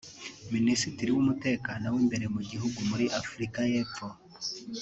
Minisitiri w’Umutekano w’Imbere mu gihugu muri Afurika y’Epfo